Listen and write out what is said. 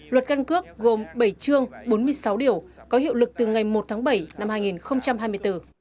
luật căn cước gồm bảy chương bốn mươi sáu điều có hiệu lực từ ngày một tháng bảy năm hai nghìn hai mươi bốn